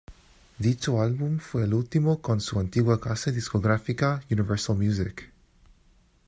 Dicho álbum fue el último con su antigua casa discográfica Universal Music.